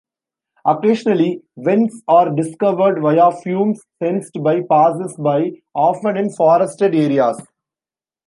Occasionally, vents are discovered via fumes sensed by passers-by, often in forested areas.